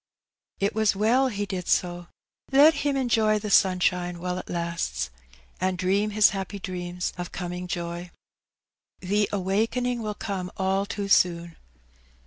It was well he did so. Let him enjoy the sunshine while it lasts, and dream his happy dreams of coming joy. The awaking will come all too soon.